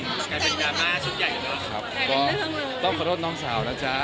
มันกลายเป็นกาฮาชุดใหญ่กันนะครับต้องขอโทษน้องสาวนะจ๊ะ